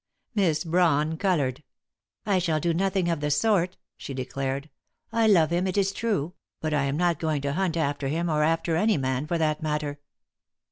Miss Brawn coloured. "I shall do nothing of the sort," she declared. "I love him, it is true; but I am not going to hunt after him, or after any man, for that matter."